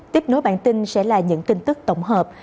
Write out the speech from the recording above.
tiếp nối bản tin sẽ là những tin tức tổng hợp